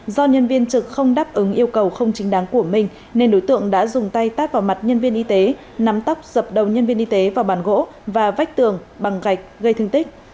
do nhân viên trực không đáp ứng yêu cầu không chính đáng của mình nên đối tượng đã dùng tay tát vào mặt nhân viên y tế nắm tóc dập đầu nhân viên y tế vào bàn gỗ và vách tường bằng gạch gây thương tích